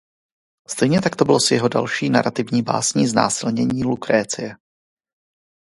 Stejně tak to bylo s jeho další narativní básní Znásilnění Lukrécie.